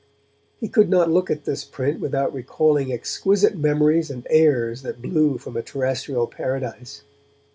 He could not look at this print without recalling exquisite memories and airs that blew from a terrestrial paradise.